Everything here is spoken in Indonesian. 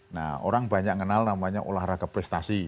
nah orang banyak kenal namanya olahraga prestasi